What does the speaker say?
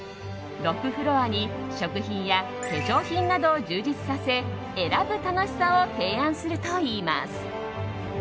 ６フロアに食品や化粧品などを充実させ選ぶ楽しさを提案するといいます。